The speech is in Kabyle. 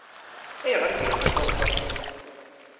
Ayɣer i ilaq ad tṛuḥeḍ ass-a?